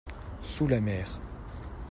Sous la mer.